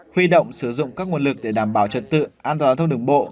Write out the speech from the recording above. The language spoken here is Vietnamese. huy động sử dụng các nguồn lực để đảm bảo trật tự an toàn giao thông đường bộ